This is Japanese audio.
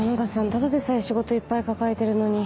ただでさえ仕事いっぱい抱えてるのに。